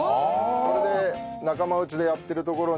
それで仲間内でやってるところにいた。